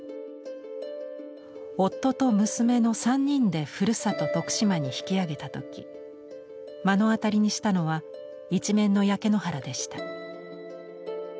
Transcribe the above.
夫と娘の３人でふるさと徳島に引き揚げたとき目の当たりにしたのは一面の焼け野原でした。